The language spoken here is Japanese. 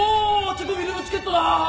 チェコフィルのチケットだー！